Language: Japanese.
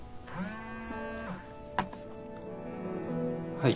はい。